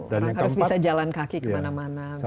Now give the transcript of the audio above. orang harus bisa jalan kaki kemana mana